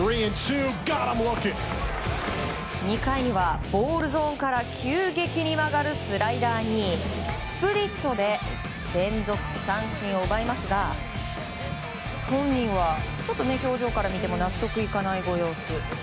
２回にはボールゾーンから急激に曲がるスライダーにスプリットで連続三振を奪いますが本人は表情から見ても納得いかないご様子。